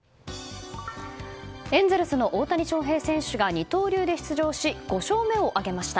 エンゼルスの大谷翔平選手が二刀流で出場し５勝目を挙げました。